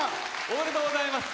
おめでとうございます。